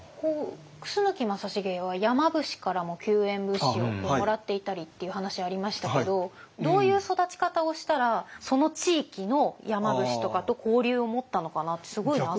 楠木正成は山伏からも救援物資をもらっていたりっていう話ありましたけどどういう育ち方をしたらその地域の山伏とかと交流を持ったのかなってすごい謎で。